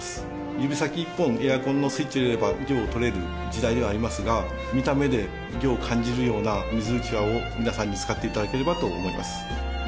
指先１本エアコンのスイッチ入れれば涼をとれる時代ではありますが見た目で涼を感じるような水うちわを皆さんに使っていただければと思います